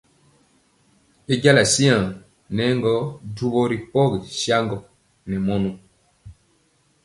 Bɛnja siaŋ nɛ gɔ duwɔ ri pɔgi saŋgɔ ne mɔnɔ.